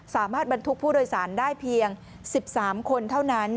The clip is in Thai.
สามารถบรรทุกผู้โดยสารได้เพียง๑๓คนเท่านั้น